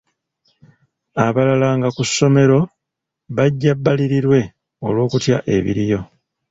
Abalala nga ku ssomero bajja bbalirirwe olw'okutya ebiriyo.